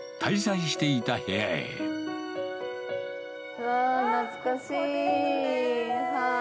うわー、懐かしい。